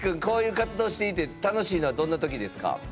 こういう活動していて楽しいのはどんな時ですか？